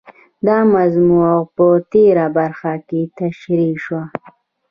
دا موضوع په تېره برخه کې تشرېح شوه.